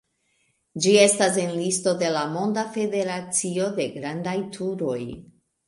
Ĝi estas en listo de la Monda Federacio de Grandaj Turoj.